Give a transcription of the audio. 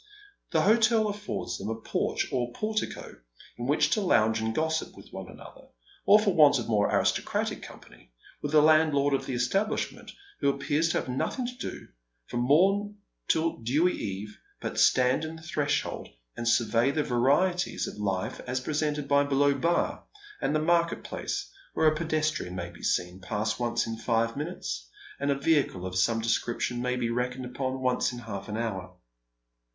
The hotel affords them a porch, or portico, in which to lounge and gossip with one another, or for want of more aristocratic com pany, with the landlord of the establishment, who appears to have nothing to do, from mom till dewy eve, but stand on his threshold and survey the varieties of hfe as presented by Below Bar and the market place, where a pedestrian maybe seen to pass once in five minutes, and a vehicle of some description may be reckoned upon once in half an hour.